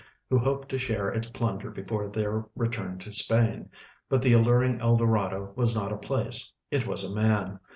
Avho ho})ed to share its plunder before their return to Spain ; but the alluring El Dorado was not a place ; it was a man.